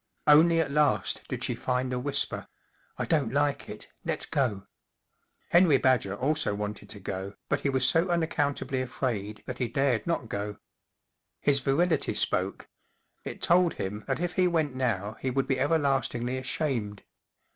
Only at last did she find a whisper: 11 1 don't like it. Let's go." Henry Badger also wanted to go, but he was so unaccountably afraid that he dared not go. His virility spoke : it told him that if he went now he would be everlastingly ashamed.